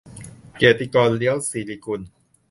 กิตติกร เลียวศิริกุล